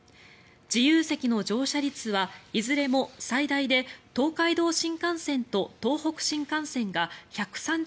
自由席の乗車率はいずれも最大で東海道新幹線と東北新幹線が１３０％